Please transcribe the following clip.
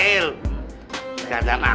hei kamu marah marah itu yang benar